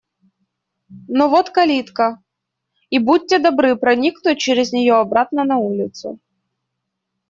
Но вот калитка. И будьте добры проникнуть через нее обратно на улицу.